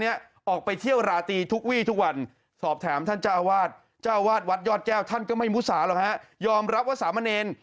ยอมรับว่าสามเมนเอง